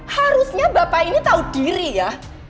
harusnya bapak ini tahu diri ya